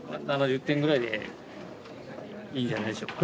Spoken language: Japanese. ７０点ぐらいでいいんじゃないでしょうか。